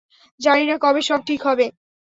জানি না কবে সব ঠিক হবে।